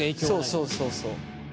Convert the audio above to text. そうそうそうそう。